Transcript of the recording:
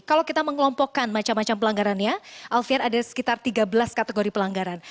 kalau kita mengelompokkan macam macam pelanggarannya alfian ada sekitar tiga belas kategori pelanggaran